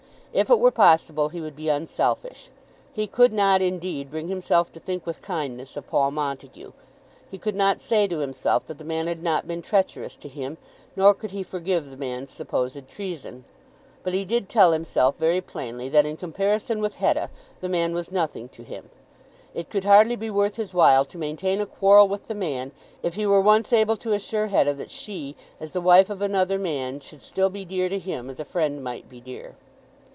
If it were possible he would be unselfish. He could not, indeed, bring himself to think with kindness of Paul Montague. He could not say to himself that the man had not been treacherous to him, nor could he forgive the man's supposed treason. But he did tell himself very plainly that in comparison with Hetta the man was nothing to him. It could hardly be worth his while to maintain a quarrel with the man if he were once able to assure Hetta that she, as the wife of another man, should still be dear to him as a friend might be dear.